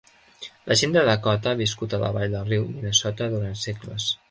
La gent de Dakota ha viscut a la vall del riu Minnesota durant segles.